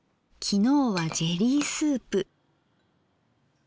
昨日はジェリースープ。